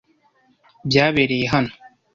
Byabereye hano .